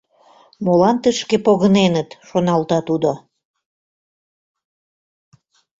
«Молан тышке погыненыт?» — шоналта тудо.